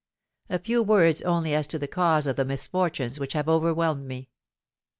A few words only as to the cause of the misfortunes which have overwhelmed me.